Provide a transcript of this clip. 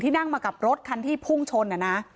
นั่งมากับรถคันที่พุ่งชน